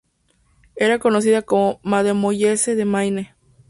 Era conocida como "Mademoiselle de Maine".